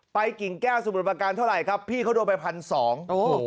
กิ่งแก้วสมุทรประการเท่าไหร่ครับพี่เขาโดนไปพันสองโอ้โห